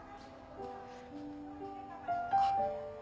あっ。